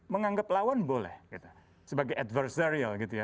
menganggap lawan boleh sebagai adversarial gitu ya